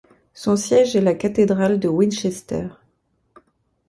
Son siège est la cathédrale de Winchester.